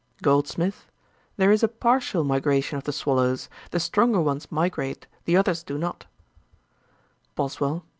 GOLDSMITH. 'There is a partial migration of the swallows; the stronger ones migrate, the others do not.' BOSWELL.